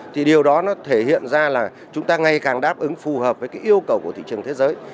thì điều đó nó thể hiện ra là chúng ta ngày càng đáp ứng phù hợp với cái yêu cầu của thị trường thế giới